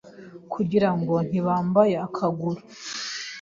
kugirango ntibambage akaguru?